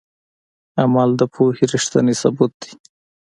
عمل د پوهې ریښتینی ثبوت دی.